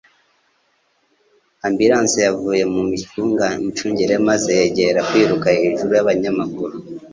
Ambulanse yavuye mu micungire maze yegera kwiruka hejuru y'abanyamaguru.